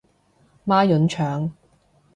孖膶腸